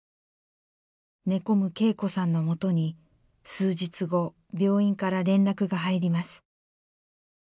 寝込む景子さんのもとに数日後病院から連絡が入ります。